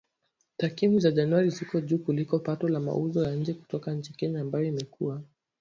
Takwimu za Januari ziko juu kuliko pato la mauzo ya nje kutoka Kenya ambayo imekuwa